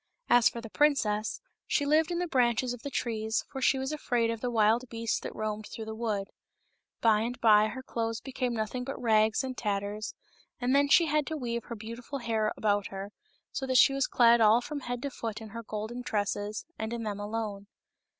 As for the princess, she lived in the branches of the trees, for she was afraid of the wild beasts that roamed through the wood. By and by her clothes became nothing but rags and tatters, and then she had to weave her beautiful hair about her, so that she was clad all from head to foot in her golden tresses, and in them alone.